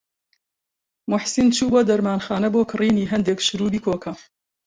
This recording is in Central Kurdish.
موحسین چوو بۆ دەرمانخانە بۆ کڕینی هەندێک شرووبی کۆکە.